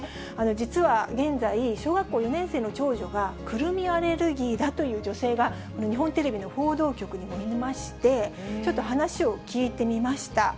実は現在、小学校４年生の長女がくるみアレルギーだという女性が、日本テレビの報道局にもいまして、ちょっと話を聞いてみました。